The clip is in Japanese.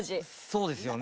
そうですよね。